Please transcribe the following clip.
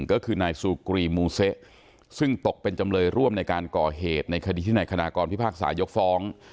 ก็คือนายซูกรีมูเซะซึ่งตกเป็นจำเลยร่วมในการก่อเหตุในคดีที่นายคณะกรพิพากษายกฟ้อง